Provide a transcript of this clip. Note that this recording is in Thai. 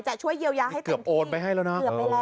จะช่วยเยียวยาให้เต็มที่เกือบโอนไปให้แล้วนะ